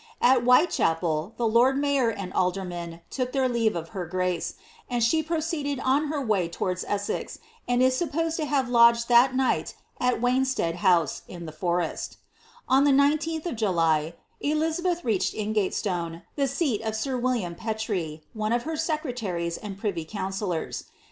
At White ehipeU the lord mayor and aldermen took their leave of her grace, and ihe proceeded on her way towards Elssex, and is supposed to have lodged that night at Wansted hoose, in the forest' On the 19th of July, Elizabeth reached Ingaiestone^ the seat of sir William Petre, one of her secretaries and pnvy coancillors.